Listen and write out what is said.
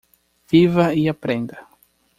Viva e aprenda.